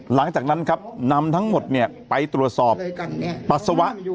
หลังจากนั้นครับนำทั้งหมดไปตรวจสอบปัสสาวะ